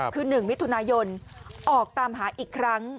คือ๑มิถุนายนออกตามหาอีกครั้ง